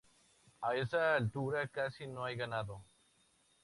A esa altura casi no hay ganado.